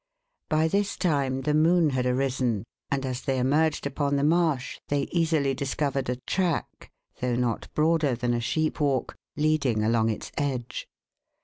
By this time the moon had arisen, and as they emerged upon the marsh they easily discovered a track, though not broader than a sheep walk, leading along its edge.